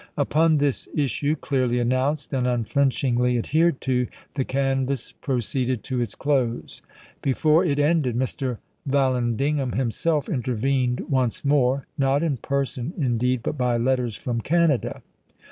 Upon this issue, clearly announced and unflinchingly adhered to, the canvass proceeded to its close. Before it ended, Mr. Vallandigham himself intervened once more — not in person, indeed, but by letters from Canada.